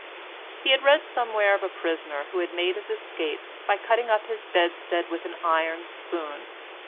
He had read somewhere of a prisoner who had made his escape by cutting up his bedstead with an iron spoon.